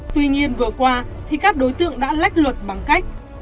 tuy nhiên vừa qua thì các đối tượng đã lách luật bằng cách